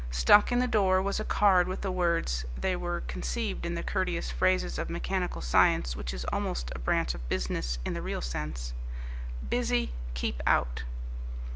Stuck in the door was a card with the words (they were conceived in the courteous phrases of mechanical science, which is almost a branch of business in the real sense): Busy keep out.